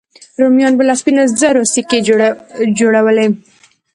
رومیانو به له سپینو زرو سکې جوړولې